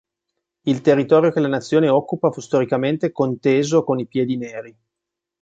Il territorio che la nazione occupa fu storicamente conteso con i Piedi Neri.